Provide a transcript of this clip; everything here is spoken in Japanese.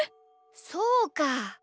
そうか。